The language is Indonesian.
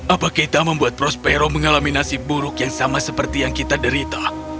apa kita membuat prospero mengalami nasib buruk yang sama seperti yang kita derita